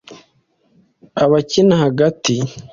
Abakina hagati